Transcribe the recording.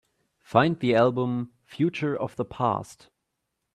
Find the album Future of the Past